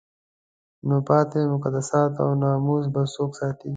نو پاتې مقدسات او ناموس به څوک ساتي؟